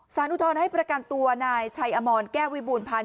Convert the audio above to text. อุทธรณ์ให้ประกันตัวนายชัยอมรแก้ววิบูรพาณ